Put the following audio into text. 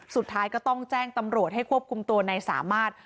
สุดท้ายก็ต้องแจ้งตำรวจให้ควบคุมตัวนายสามารถ